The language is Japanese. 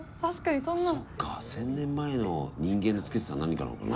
そっか１，０００年前の人間のつけてた何かなのかな。